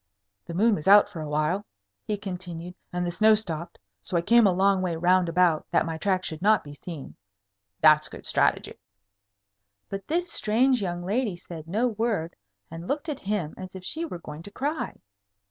"The moon was out for a while," he continued, "and the snow stopped. So I came a long way round about, that my tracks should not be seen. That's good strategy." But this strange young lady said no word, and looked at him as if she were going to cry.